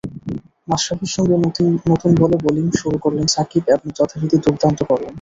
মাশরাফির সঙ্গে নতুন বলে বোলিং শুরু করলেন সাকিব এবং যথারীতি দুর্দান্ত করলেন।